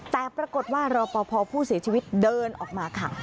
แต่ปรากฏว่ารอปภผู้เสียชีวิตเดินออกมาค่ะ